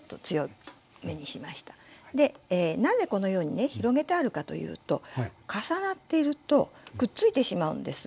で何でこのようにね広げてあるかというと重なっているとくっついてしまうんです。